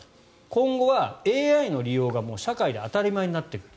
今後はＡＩの利用が社会で当たり前になってくる。